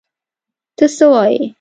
ته څه وایې!؟